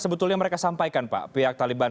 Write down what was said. sebetulnya mereka sampaikan pak pihak taliban